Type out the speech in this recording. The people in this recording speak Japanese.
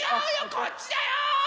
こっちだよ！